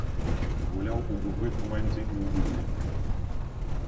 Гуляў у другой камандзе і ў дублі.